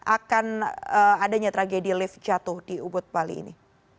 akan adanya tragedi lift jatuh di ubud bali ini